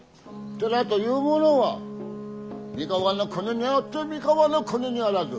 寺というものは三河国にあって三河国にあらず。